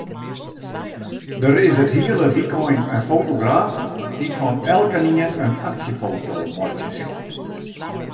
Der is it hiele wykein in fotograaf dy't fan elkenien in aksjefoto meitsje sil.